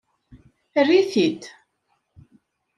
Err-it-id!